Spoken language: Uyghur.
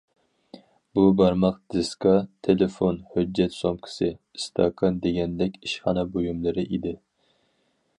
بۇ بارماق دىسكا، تېلېفون، ھۆججەت سومكىسى، ئىستاكان دېگەندەك ئىشخانا بۇيۇملىرى ئىدى.